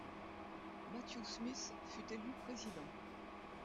Matthew Smith fut élu président.